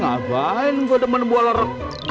ngapain gua demen buah lorok